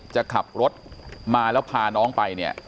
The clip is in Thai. จะขับรถมาแล้วพาน้องไปเนี่ย